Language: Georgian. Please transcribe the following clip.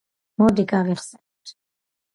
მოდი, გავიხსენოთ.